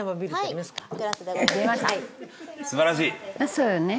「そうよね。